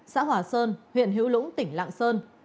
xã hỏa sơn huyện hữu lũng tỉnh lạng sơn